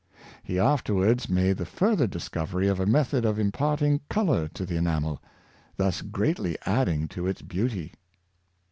He af terwards made the further discovery of a inethod of im parting color to the enamel, thus greatly adding to its beauty.